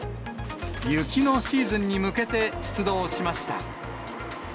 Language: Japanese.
雪のシーズンに向けて出動しました。